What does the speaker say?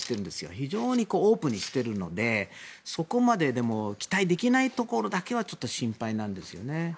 非常にオープンにしているのでそこまで期待できないところだけちょっと心配なんですよね。